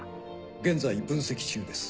現在分析中です。